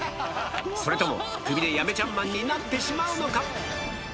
それともクビでヤベチャンマンになってしまうのか？